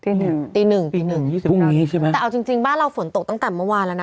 ตีหนึ่งอือตีหนึ่งตัวนี้ใช่ไหมแต่เอาจริงบ้านเราฝนตกตั้งแต่เมื่อวานแล้ว